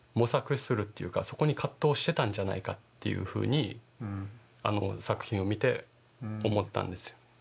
そこに葛藤してたんじゃないかっていうふうに作品を見て思ったんですよ。